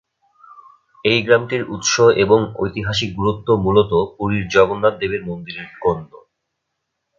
এই গ্রামটির উৎস এবং ঐতিহাসিক গুরুত্ব মূলতঃ পুরীর জগন্নাথ দেবের মন্দিরের গন্য।